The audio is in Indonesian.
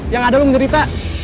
kenapa lo menyerita